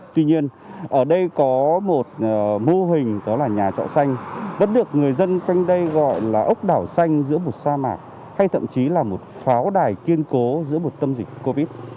tuy nhiên ở đây có một mô hình đó là nhà trọ xanh vẫn được người dân quanh đây gọi là ốc đảo xanh giữa một sa mạc hay thậm chí là một pháo đài kiên cố giữa một tâm dịch covid